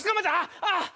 ああ。